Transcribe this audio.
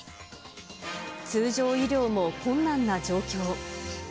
通常医療も困難な状況。